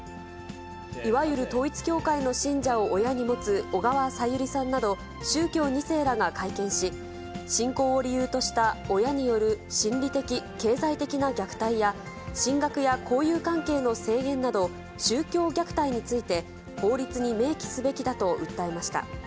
いわゆる統一教会の信者を親に持つ小川さゆりさんなど、宗教２世らが会見し、信仰を理由とした親による心理的、経済的な虐待や、進学や交友関係の制限など、宗教虐待について、法律に明記すべきだと訴えました。